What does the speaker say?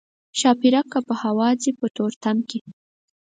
ښاپیرک که په هوا ځي په تورتم کې.